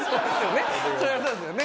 そうですよね。